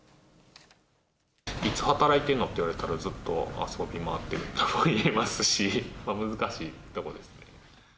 いつ働いてるの？って言われたら、ずっと遊び回っているとも言えますし、難しいところですね。